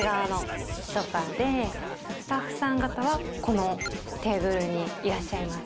「スタッフさん方はこのテーブルにいらっしゃいます」